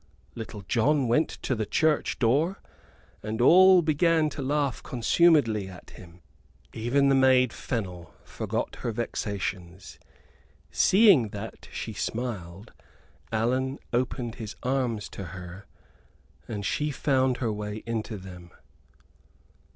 Little John went to the church door, and all began to laugh consumedly at him. Even the maid Fennel forgot her vexations. Seeing that she smiled, Allan opened his arms to her, and she found her way into them.